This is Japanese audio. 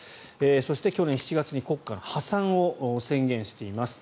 そして去年７月に国家の破産を宣言しています。